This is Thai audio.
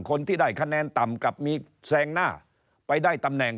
คนที่ได้คะแนนต่ำกลับมีแซงหน้าไปได้ตำแหน่ง